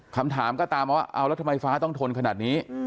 คำถามก็ตามว่าเอาแล้วทำไมฟ้าต้องทนขนาดนี้